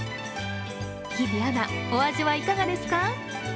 日比アナ、お味はいかがですか？